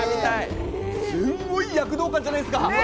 すんごい躍動感じゃないですか？